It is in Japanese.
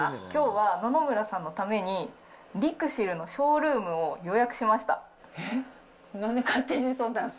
きょうは野々村さんのために、リクシルのショールームを予約しました。